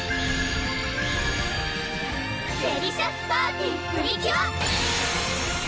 デリシャスパーティプリキュア！